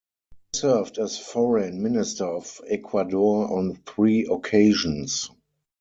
He served as Foreign Minister of Ecuador on three occasions.